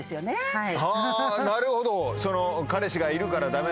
はい。